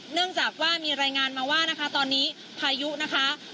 เนื่องจากว่ามีรายงานมาว่านะคะตอนนี้พายุนะคะ